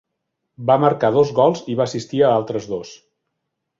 Va marcar dos gols i va assistir a altres dos.